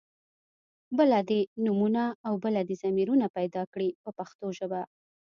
بله دې نومونه او بله دې ضمیرونه پیدا کړي په پښتو ژبه.